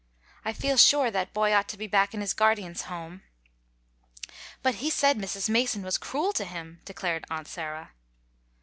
"I feel sure that boy ought to be back in his guardian's home." "But he said Mr. Mason was cruel to him," declared Aunt Sarah.